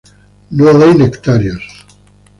No hay nectarios.